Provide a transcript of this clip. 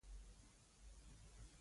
ټول خلک ورڅخه را وګرځېدل.